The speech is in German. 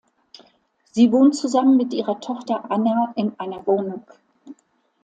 Sie wohnt zusammen mit ihrer Tochter Anna in einer Wohnung.